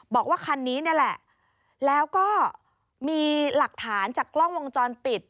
บอกว่าคันนี้นี่แหละแล้วก็มีหลักฐานจากกล้องวงจรปิด